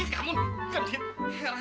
kamu kan dia heran